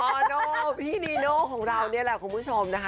โน่พี่นีโน่ของเรานี่แหละคุณผู้ชมนะคะ